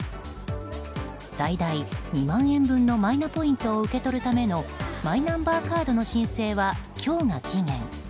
最大２万円分のマイナポイントを受け取るためのマイナンバーカードの申請は今日が期限。